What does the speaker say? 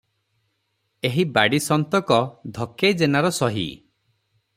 ଏହି ବାଡ଼ି ସନ୍ତକ ଧକେଇ ଜେନାର ସହି ।